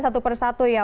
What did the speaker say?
satu persatu ya